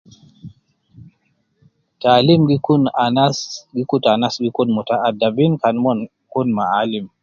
Taalim gi kun anas gi kutu anas gi kun muta addabin kan mon kun ma aalim.